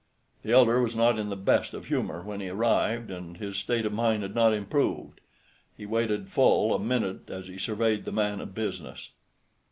The elder was not in the best of humor when he arrived, and his state of mind had not improved. He waited full a minute as he surveyed the man of business.